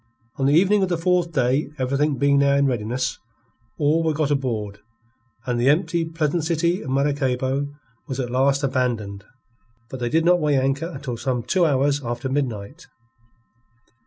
On the evening of the fourth day, everything being now in readiness, all were got aboard, and the empty, pleasant city of Maracaybo was at last abandoned. But they did not weigh anchor until some two hours after midnight.